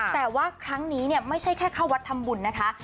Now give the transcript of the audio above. แต่ว่าครั้งนี้ไม่ใช่แค่เข้าวัดทำบุญนะคะ